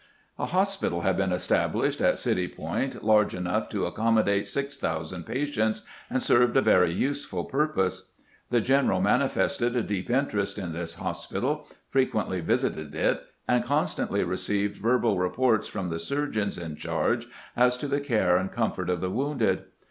A hospital had been established at City Point large enough to accommodate 6000 patients, and served a very useful purpose. The general manifested a deep interest in this hospital, frequently visited it, and con stantly received verbal reports from the surgeons in charge as to the care and comfort of the wounded.